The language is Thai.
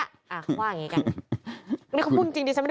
เขาว่าอย่างนี้กัน